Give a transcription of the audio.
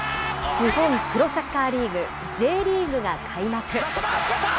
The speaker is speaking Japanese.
日本プロサッカーリーグ・Ｊリーグが開幕。